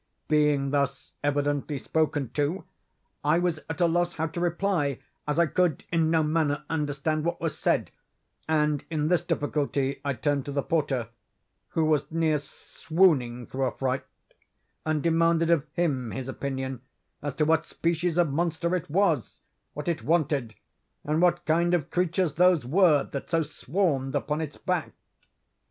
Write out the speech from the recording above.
"'Being thus evidently spoken to, I was at a loss how to reply, as I could in no manner understand what was said; and in this difficulty I turned to the porter, who was near swooning through affright, and demanded of him his opinion as to what species of monster it was, what it wanted, and what kind of creatures those were that so swarmed upon its back.